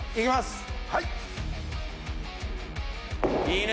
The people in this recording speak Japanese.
いいね！